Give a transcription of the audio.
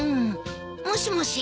もしもし？